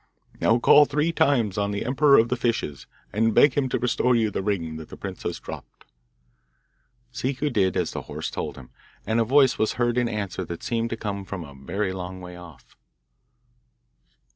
'Now, call three times on the emperor of the fishes, and beg him to restore you the ring that the princess dropped. Ciccu did as the horse told him, and a voice was heard in answer that seemed to come from a very long way off.